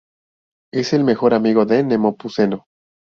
Es el mejor amigo de Nepomuceno.